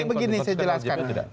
jadi begini saya jelaskan